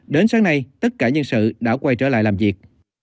đến sáng nay tất cả nhân sự đã quay trở lại làm việc